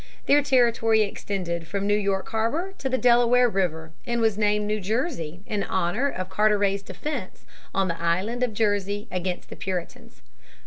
Their territory extended from New York harbor to the Delaware River, and was named New Jersey in honor of Carteret's defense of the island of Jersey against the Puritans.